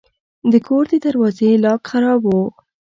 د کور د دروازې لاک خراب و.